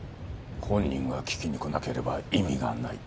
本人が聞きに来なければ意味がない。